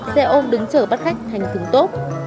xe ôm đứng chở bắt khách hành thường tốt